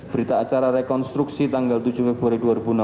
berita acara rekonstruksi tanggal tujuh februari dua ribu enam belas